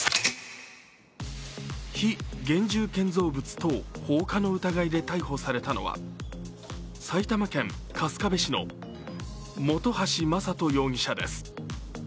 非現住建造物等放火の疑いで逮捕されたのは埼玉県春日部市の本橋真人容疑者です。